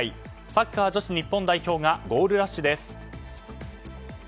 サッカー女子日本代表がゴールラッシュです。